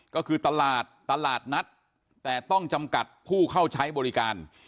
ก็คือตลาดตลาดนัดแต่ต้องจำกัดผู้เข้าใช้บริการ